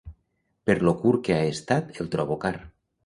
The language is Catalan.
Per lo curt que ha estat el trobo car